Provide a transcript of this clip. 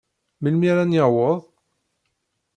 Melmi ara n-yaweḍ?